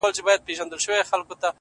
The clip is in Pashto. پيرې مريد دې يمه پيرې ستا پيري کومه!!